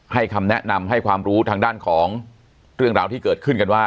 คำแนะนำให้ความรู้ทางด้านของเรื่องราวที่เกิดขึ้นกันว่า